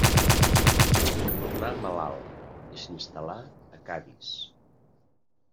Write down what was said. Tornà malalt, i s'instal·là a Cadis.